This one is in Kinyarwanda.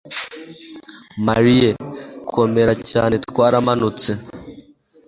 Marie komera cyane Twaramanutse